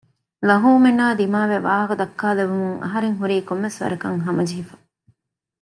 ލަހޫމެންނާ ދިމާވެ ވާހަކަދައްކާލެވުމުން އަހަރެން ހުރީ ކޮންމެސްވަރަކަށް ހަމަޖެހިފަ